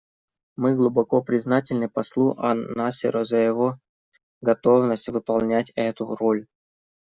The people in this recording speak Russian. Мы глубоко признательны послу ан-Насеру за его готовность выполнять эту роль.